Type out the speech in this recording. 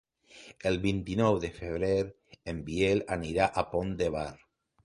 El vint-i-nou de febrer en Biel anirà al Pont de Bar.